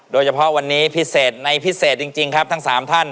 โดยเฉพาะวันนี้พิเศษในพิเศษจริงครับทั้ง๓ท่าน